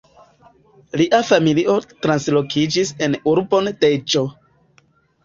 Lia familio translokiĝis en urbon Deĵo.